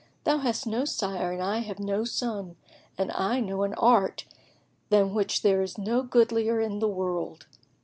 Thou hast no sire and I have no son, and I know an art than which there is no goodlier in the world.